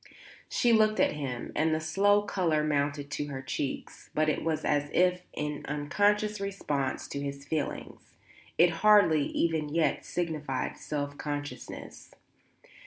She looked at him and the slow colour mounted to her cheeks; but it was as if in unconscious response to his feeling; it hardly, even yet, signified self consciousness.